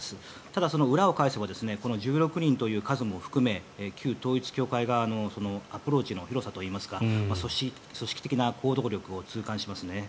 ただ、裏を返せば１６人という数も含め旧統一教会側のアプローチの広さといいますか組織的な行動力を痛感しますね。